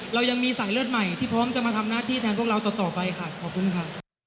เรายังมีสายเลือดใหม่ที่พร้อมจะมาทำหน้าที่แทนพวกเราต่อไปค่ะขอบคุณค่ะ